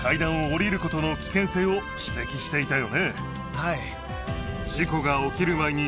はい。